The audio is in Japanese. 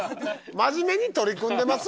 真面目に取り組んでます？